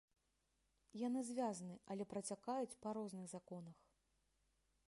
Яны звязаны, але працякаюць па розных законах.